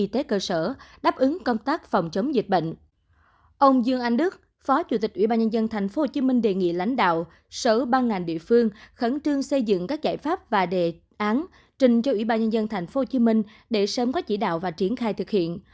ông dương anh đức phó chủ tịch ủy ban nhân dân tp hcm đề nghị lãnh đạo sở ban ngành địa phương khẩn trương xây dựng các giải pháp và đề án trình cho ủy ban nhân dân tp hcm để sớm có chỉ đạo và triển khai thực hiện